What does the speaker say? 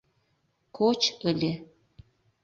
Коч ыле...